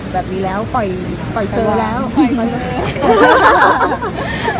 ทำไมเธอกลับหลัง๓๑๐๐เดือนแหละ